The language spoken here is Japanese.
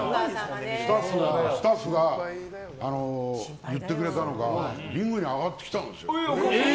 スタッフが言ってくれたのかリングに上がってくれたんですよ。